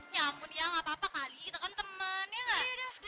ya ampun ya gak apa apa kali itu kan temen ya gak